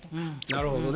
なるほどね。